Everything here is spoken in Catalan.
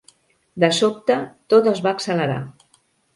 De sobte, tot es va accelerar.